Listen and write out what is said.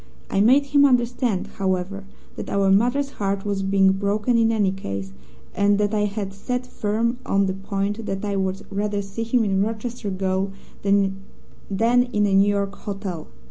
I made him understand, however, that our mother's heart was being broken in any case, and that I had set firm on the point that I would rather see him in Rochester gaol than in a New York hotel.